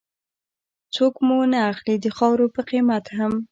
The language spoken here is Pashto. څوک مو نه اخلي د خاورو په قيمت هم